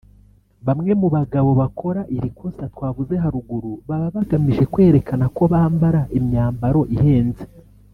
bamwe mu bagabo bakora iri kosa twavuze haruguru baba bagamije kwerekana ko bambara imyambaro ihenze